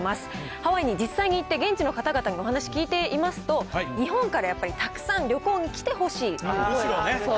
ハワイに実際に行って、現地の方々にお話聞いてみますと、日本からやっぱりたくさん旅行に来てほしい。